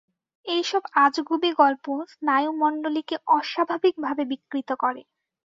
এইসব আজগুবী গল্প স্নায়ুমণ্ডলীকে অস্বাভাবিকভাবে বিকৃত করে।